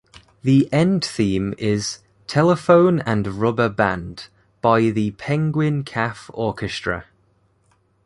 The end theme is "Telephone and Rubber Band" by the Penguin Cafe Orchestra.